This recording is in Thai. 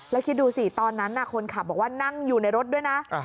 แล้วคิดดูสิตอนนั้นคนขับบอกว่านั่งอยู่ในรถด้วยนะ